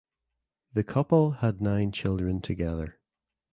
The couple had nine children together.